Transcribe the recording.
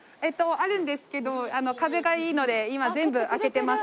あるんですけど風がいいので今全部開けてます。